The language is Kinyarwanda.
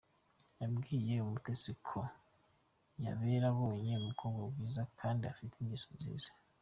Yabwiye Umutesi ko yabera abonye umukobwa mwiza kandi ufite ingeso nziza.